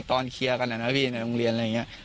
ตอนเคลียร์กันนะพี่ในโรงเรียนอะไรอย่างนี้